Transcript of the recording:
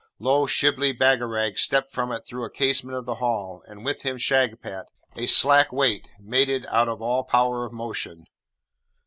Lo, Shibli Bagarag stepped from it through a casement of the Hall, and with him Shagpat, a slack weight, mated out of all power of motion.